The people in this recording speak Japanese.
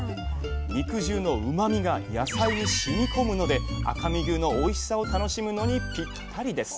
肉汁のうまみが野菜にしみ込むので赤身牛のおいしさを楽しむのにぴったりです。